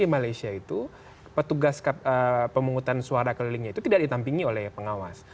di malaysia itu petugas pemungutan suara kelilingnya itu tidak ditampingi oleh pengawas